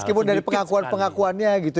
meskipun dari pengakuan pengakuannya gitu